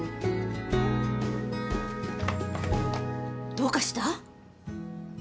どうかした？